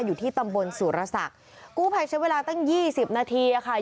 อยู่ที่ตำบลสุรศักดิ์กู้ภัยใช้เวลาตั้งยี่สิบนาทีอะค่ะ